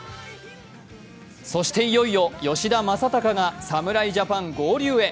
そして、いよいよ吉田正尚が侍ジャパン合流へ。